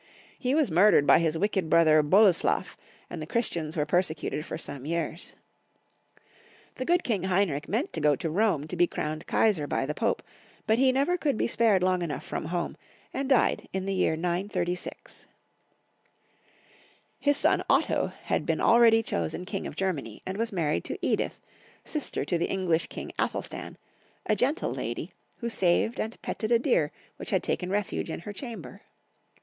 He was murdered by his wicked brother Boleslaf, and the Christians were persecuted for some years. 88 Young Folks* History of Germany. The good King Heinrich meant to go to Rome to be crowned Kaisar by the Pope, but he never could be spared long enough from home, and died in the year 936. His son Otto had been already chosen King of Germany, and was married to Edith, sister to the English king Athelstan, a gentle lady, who saved and petted a deer which had taken refuge in her chamber.